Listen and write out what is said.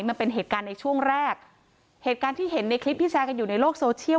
มันเป็นเหตุการณ์ในช่วงแรกเหตุการณ์ที่เห็นในคลิปที่แชร์กันอยู่ในโลกโซเชียล